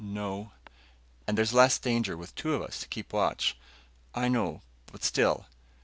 "No." "And there's less danger with two to keep watch." "I know, but still...."